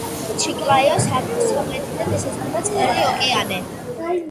ჩიკლაიოს აღმოსავლეთიდან ესაზღვრება წყნარი ოკეანე.